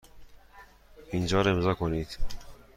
اینجا را امضا کنید.